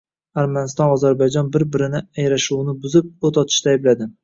Armaniston va Ozarbayjon bir-birini yarashuvni buzib, o‘t ochishda aybladi